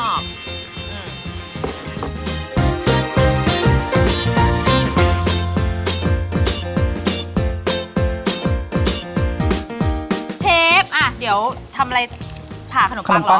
เชฟอ่าเดี๋ยวทำอะไร